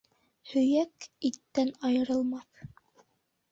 Һөйәк иттән айырылмаҫ